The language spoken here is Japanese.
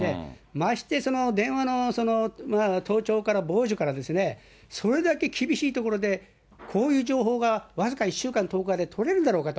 まして電話の盗聴から傍受から、それだけ厳しい所でこういう情報が僅か１週間、１０日で取れるんだろうかと。